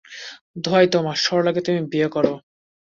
দোহাই তোমার, সরলাকে তুমি বিয়ে করো।